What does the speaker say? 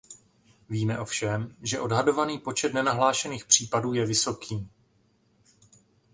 Víme ovšem, že odhadovaný počet nenahlášených případů je vysoký.